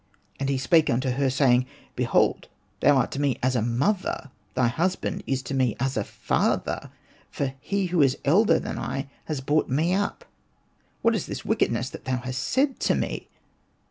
And he spake unto her, say ing, " Behold thou art to me as a mother, thy husband is to me as a father, for he who is elder than I has brought me up. What is this wickedness that thou hast said to me